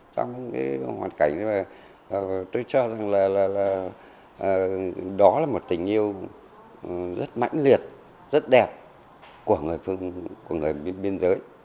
trong hoàn cảnh tôi cho rằng là đó là một tình yêu rất mãnh liệt rất đẹp của người biên giới